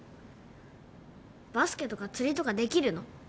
バスケとか釣りとかできるの？